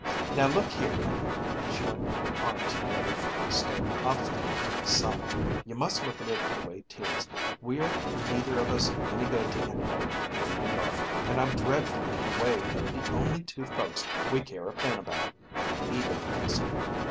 Now, look here, Emma," she went on to the other, still obstinately silent; "you must look at it the way 'tis. We're neither of us any good to anybody, the way we are and I'm dreadfully in the way of the only two folks we care a pin about either of us.